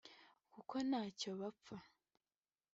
kuko ntacyo bapfa